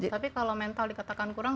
tapi kalau mental dikatakan kurang